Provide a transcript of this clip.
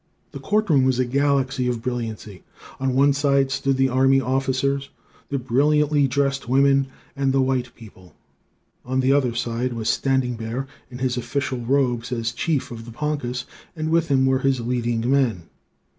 The court room was a galaxy of brilliancy. "On one side stood the army officers, the brilliantly dressed women, and the white people; on the other was standing Bear, in his official robes as chief of the Poncas, and with him were his leading men.